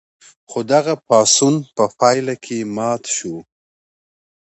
خو دغه پاڅون په پایله کې مات شو.